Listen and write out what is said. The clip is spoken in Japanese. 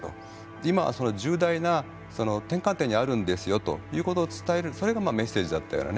今その重大な転換点にあるんですよということを伝えるそれがメッセージだったようなね